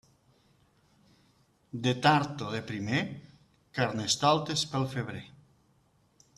De tard o de primer, Carnestoltes pel febrer.